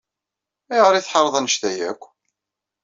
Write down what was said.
Ayɣer ay tḥareḍ anect-a akk?